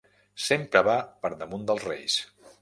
Sempre va per damunt dels reis.